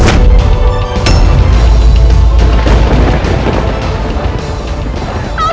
tak akan ada lagi